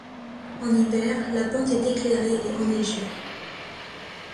En hiver la pente est éclairée et enneigée.